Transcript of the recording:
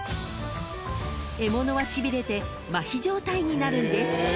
［獲物はしびれてまひ状態になるんです］